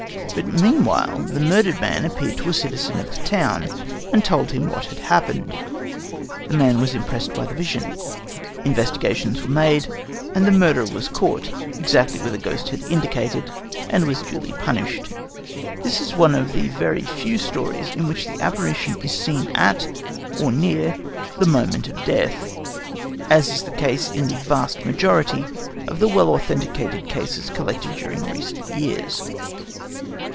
But meanwhile the murdered man appeared to a citizen of the town and told him what had happened. The man was impressed by the vision. Investigations were made, and the murderer was caught exactly where the ghost had indicated, and was duly punished. This is one of the very few stories in which the apparition is seen at or near the moment of death, as is the case in the vast majority of the well authenticated cases collected during recent years.